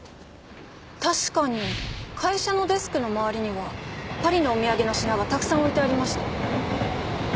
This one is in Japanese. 確かに会社のデスクの周りにはパリのお土産の品がたくさん置いてありました。